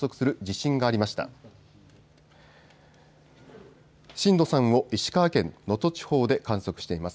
震度３を石川県能登地方で観測しています。